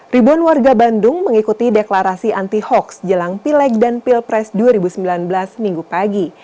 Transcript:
ribuan warga bandung mengikuti deklarasi anti hoax jelang pilek dan pilpres dua ribu sembilan belas minggu pagi